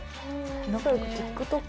仲良く。